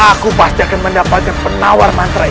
aku pasti akan mendapatkan penawar mantra ini